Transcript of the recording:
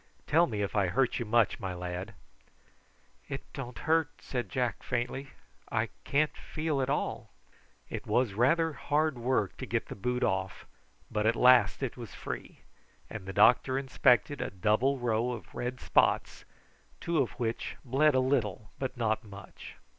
"Tell me if I hurt you much, my lad." "It don't hurt," said Jack faintly. "I can't feel at all." It was rather hard work to get the boot off; but at last it was free, and the doctor inspected a double row of red spots, two of which bled a little, but not much.